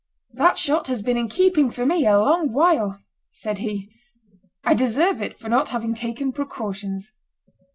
"That shot has been in keeping for me a long while," said he: "I deserve it for not having taken precautions."